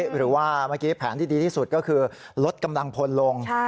หรือว่าเมื่อกี้แผนที่ดีที่สุดก็คือลดกำลังพลลง